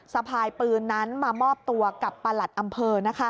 สะพายปืนนั้นมามอบตัวกับประหลัดอำเภอ